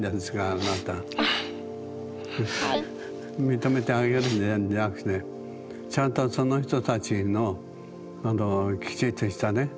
認めてあげるじゃなくてちゃんとその人たちのきちっとしたね